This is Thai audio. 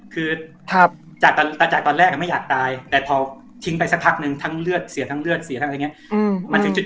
คือจากตาจากตอนแรกไม่อยากตายแต่พอทิ้งไปสักพักนึงทั้งเลือดเสียทั้งเลือดเสียทั้งอะไรอย่างนี้